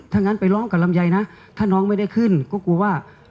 ถ้างั้นไปร้องกับลำไยนะถ้าน้องไม่ได้ขึ้นก็กลัวว่า